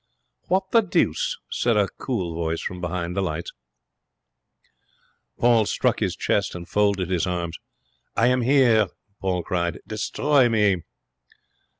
'What the deuce ' said a cool voice from behind the lights. Paul struck his chest and folded his arms. 'I am here,' he cried. 'Destroy me!'